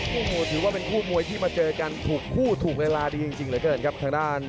โอ้โหถือว่าเป็นคู่มวยที่มาเจอกันถูกคู่ถูกเวลาดีจริงเหลือเกินครับทางด้าน